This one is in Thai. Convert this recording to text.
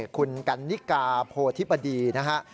คุณกันนิกาโพธิบดีนะฮะ